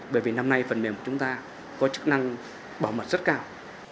bởi vì năm nay phần mềm của chúng ta có chức năng bảo mật rất cao